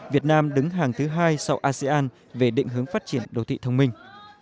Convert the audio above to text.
việt nam đứng hàng thứ hai sau asean về định hướng phát triển đô thị thông minh